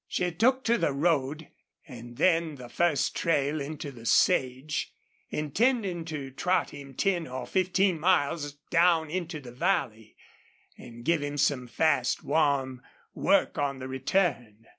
She took to the road, and then the first trail into the sage, intending to trot him ten or fifteen miles down into the valley, and give him some fast, warm work on the return.